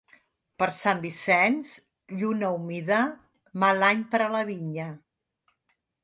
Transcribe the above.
Per Sant Vicenç, lluna humida, mal any per a la vinya.